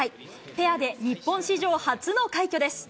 ペアで日本史上初の快挙です。